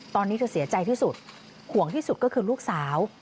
ตอนนี้เธอเสียใจที่สุดห่วงที่สุดก็คือลูกสาว